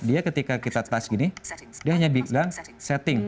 dia ketika kita tas gini dia hanya bilang setting